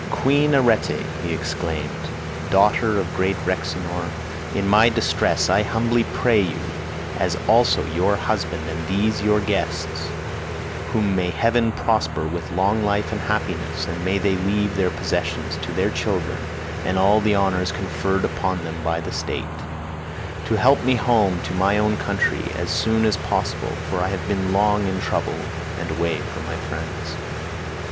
"Queen Arete," he exclaimed, "daughter of great Rhexenor, in my distress I humbly pray you, as also your husband and these your guests (whom may heaven prosper with long life and happiness, and may they leave their possessions to their children, and all the honours conferred upon them by the state) to help me home to my own country as soon as possible; for I have been long in trouble and away from my friends."